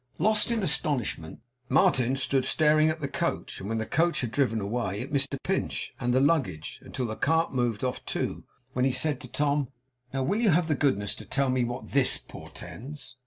Lost in astonishment, Martin stood staring at the coach, and when the coach had driven away, at Mr Pinch, and the luggage, until the cart moved off too; when he said to Tom: 'Now will you have the goodness to tell me what THIS portends?